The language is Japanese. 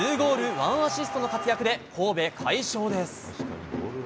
１アシストの活躍で神戸、快勝です。